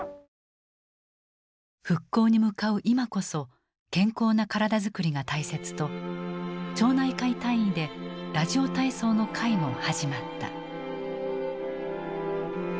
復興に向かう今こそ健康な体づくりが大切と町内会単位でラジオ体操の会も始まった。